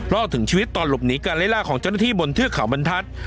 รอดถึงชีวิตตอนหลบหนีการไล่ล่าของเจ้าหน้าที่บนเทือกเขาบรรทัศน์